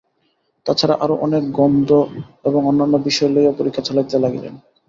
তাছাড়া আরও অনেকে গন্ধ এবং অন্যান্য বিষয় লইয়াও পরীক্ষা চালাইতে লাগিলেন।